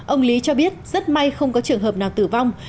ông lý cho biết rất may không có trường hợp nào tử vong